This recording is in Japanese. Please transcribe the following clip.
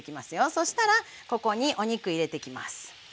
そしたらここにお肉入れていきます。